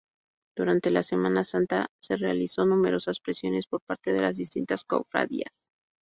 Durante la Semana Santa se realizan numerosas procesiones por parte de las distintas cofradías.